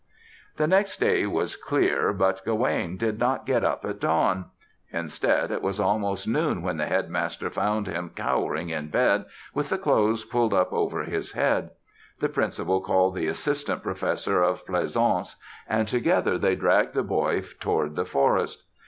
The next day was clear, but Gawaine did not get up at dawn. Indeed, it was almost noon when the Headmaster found him cowering in bed, with the clothes pulled over his head. The principal called the Assistant Professor of Pleasaunce, and together they dragged the boy toward the forest.